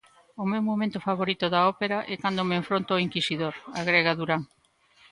"O meu momento favorito da ópera é cando me enfronto ao inquisidor", agrega Durán.